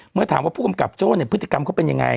เมื่อถามว่าผู้กำกับโจ้เนี่ยพฤติกรรมเขาเป็นยังไง